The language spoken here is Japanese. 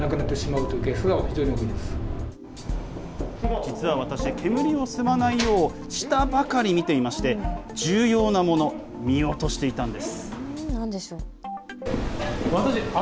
実は私、煙を吸わないよう下ばかり見ていまして重要なもの、見落としていたんです。